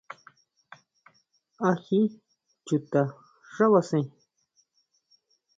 ¿Á jí chuta xábasen?